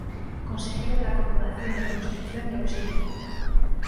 Consejero de la Corporación de Reconstrucción y Auxilio.